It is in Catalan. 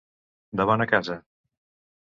De bona casa.